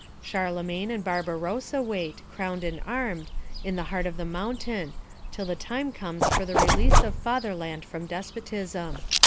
Charlemagne and Barbarossa wait, crowned and armed, in the heart of the mountain, till the time comes for the release of Fatherland from despotism.